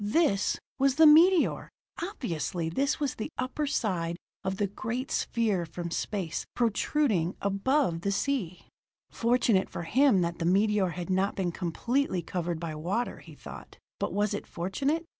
This was the meteor! Obviously, this was the upper side of the great sphere from space, protruding above the sea. Fortunate for him that the meteor had not been completely covered by water, he thought but was it fortunate?